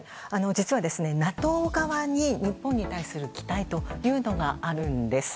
実は、ＮＡＴＯ側に日本に対する期待というのがあるんです。